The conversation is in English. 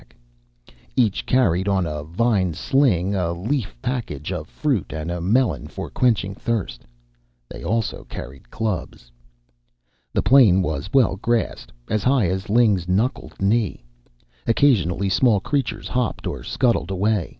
Each carried, on a vine sling, a leaf package of fruit and a melon for quenching thirst. They also carried clubs. The plain was well grassed, as high as Ling's knuckled knee. Occasionally small creatures hopped or scuttled away.